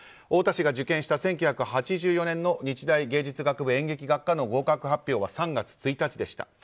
太田氏が受験した１９８４年の日大芸術学部演劇学科の合格発表は３月１日でした。